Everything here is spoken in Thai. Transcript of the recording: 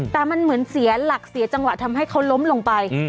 แต่มันเหมือนเสียหลักเสียจังหวะทำให้เขาล้มลงไป